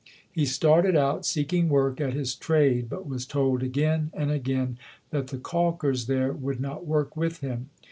He started out seeking work at his trade but was told again and again that the calkers there would not work with him.